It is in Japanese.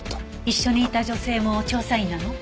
一緒にいた女性も調査員なの？